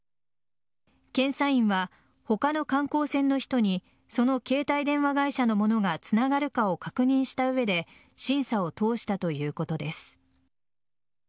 検査員は他の観光船の人にその携帯電話会社のものがつながるかを確認した上で審査を通したということです。